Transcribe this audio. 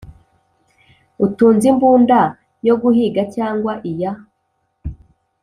Utunze imbunda yo guhiga cyangwa iya